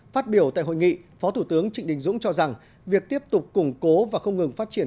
phát biểu tại hội nghị phó thủ tướng trịnh đình dũng cho rằng việc tiếp tục củng cố và không ngừng phát triển